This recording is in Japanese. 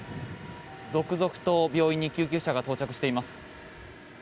続々と病院に救急車が到着しています。